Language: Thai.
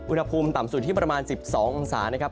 อุณหภูมิต่ำสุดที่ประมาณ๑๒องศานะครับ